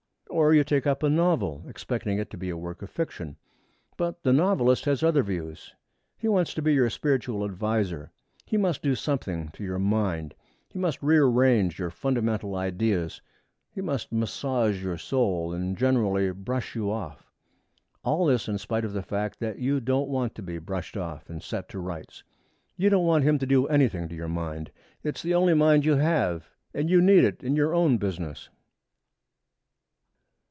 Or you take up a novel expecting it to be a work of fiction. But the novelist has other views. He wants to be your spiritual adviser. He must do something to your mind, he must rearrange your fundamental ideas, he must massage your soul, and generally brush you off. All this in spite of the fact that you don't want to be brushed off and set to rights. You don't want him to do anything to your mind. It's the only mind you have and you need it in your own business.